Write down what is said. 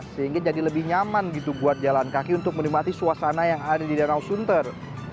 sehingga jadi lebih nyaman gitu buat jalan kaki untuk menikmati suasana yang ada di danau sunter